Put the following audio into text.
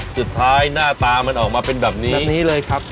สุดท้ายหน้าตามันออกมาเป็นแบบนี้ครับแบบนี้เลยครับ